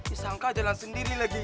ih sangka jalan sendiri lagi